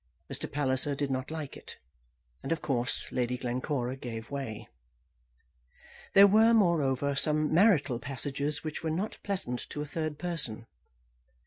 Mr. Palliser did not like it, and of course Lady Glencora gave way. There were, moreover, some marital passages which were not pleasant to a third person.